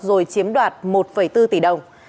rồi chiếm đoạt một bốn tỷ đồng